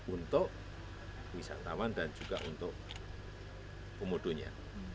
untuk wisatawan dan juga untuk komodonya